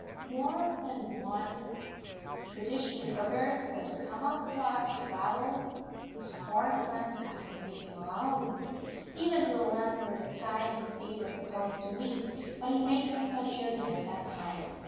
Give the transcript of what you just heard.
III. More than one tradition avers that Kamapuaa traveled to foreign lands after leaving Oahu, even to the lands where the sky and sea were supposed to meet; but he made no such journey at that time.